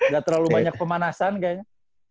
gak terlalu banyak pemanasan kayaknya